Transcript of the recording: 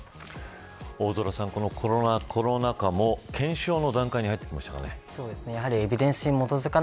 大空さん、このコロナ禍も検証の段階に入ってきましたかね。